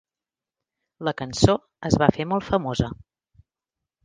La cançó es va fer molt famosa.